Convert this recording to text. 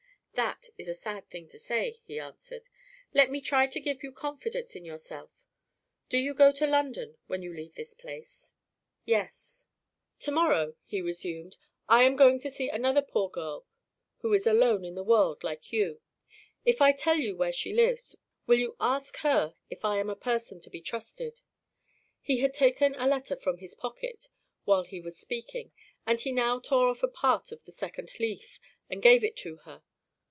"That is a sad thing to say," he answered. "Let me try to give you confidence in yourself. Do you go to London when you leave this place?" "Yes." "To morrow," he resumed, "I am going to see another poor girl who is alone in the world like you. If I tell you where she lives, will you ask her if I am a person to be trusted?" He had taken a letter from his pocket, while he was speaking; and he now tore off a part of the second leaf, and gave it to her.